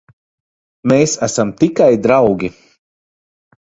Mēs esam tikai draugi.